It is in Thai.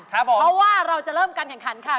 เพราะว่าเราจะเริ่มการแข่งขันค่ะ